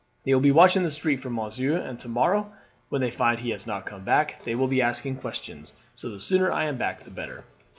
They will be watching the street for monsieur, and to morrow, when they find he has not come back, they will be asking questions, so the sooner I am back the better."